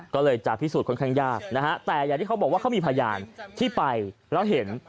ก็เลยจะพิสูจน์ค่อนข้างยากนะฮะแต่อย่างที่เขาบอกว่าเขามีพยานที่ไปแล้วเห็น